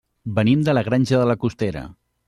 Venim de la Granja de la Costera.